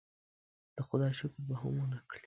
د خدای شکر به هم ونه کړي.